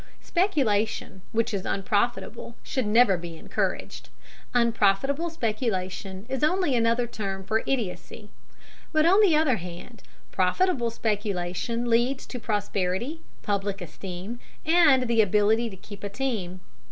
Speculation which is unprofitable should never be encouraged. Unprofitable speculation is only another term for idiocy. But, on the other hand, profitable speculation leads to prosperity, public esteem, and the ability to keep a team.